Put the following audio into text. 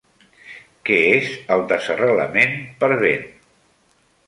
Què és el desarrelament per vent?